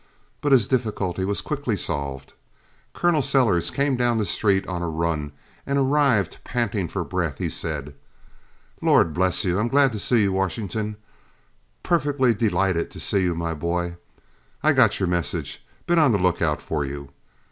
But his difficulty was quickly solved. Col. Sellers came down the street on a run and arrived panting for breath. He said: "Lord bless you I'm glad to see you, Washington perfectly delighted to see you, my boy! I got your message. Been on the look out for you.